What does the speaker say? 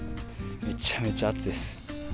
めちゃめちゃ暑いです。